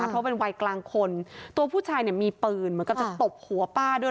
เพราะเป็นวัยกลางคนตัวผู้ชายเนี่ยมีปืนเหมือนกับจะตบหัวป้าด้วย